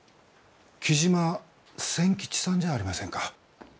雉真千吉さんじゃありませんか？